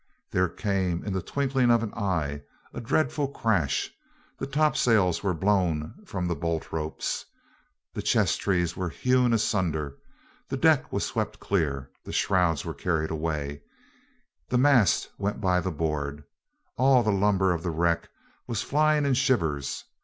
There came, in the twinkling of an eye, a dreadful crash: the top sails were blown from the bolt ropes, the chess trees were hewn asunder, the deck was swept clear, the shrouds were carried away, the mast went by the board, all the lumber of the wreck was flying in shivers.